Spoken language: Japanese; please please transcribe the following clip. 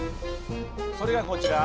それがこちら。